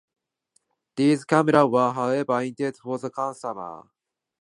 These cameras were, however, intended for the consumer end of the market.